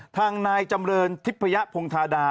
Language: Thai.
ทางนายจำเรินทิพยพงธาดา